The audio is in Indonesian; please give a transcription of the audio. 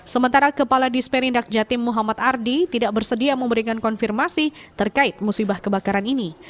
sementara kepala disperindak jatim muhammad ardi tidak bersedia memberikan konfirmasi terkait musibah kebakaran ini